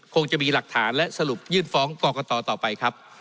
คงจะมีหลักฐานและสรุปยื่นฟ้องกรกตต่อไปครับ